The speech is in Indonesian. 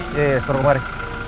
iya ya suruh kemari